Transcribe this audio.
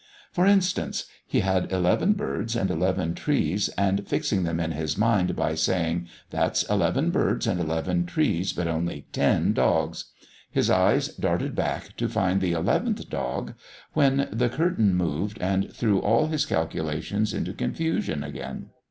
For instance, he had eleven birds and eleven trees, and, fixing them in his mind by saying, "that's eleven birds and eleven trees, but only ten dogs," his eyes darted back to find the eleventh dog, when the curtain moved and threw all his calculations into confusion again.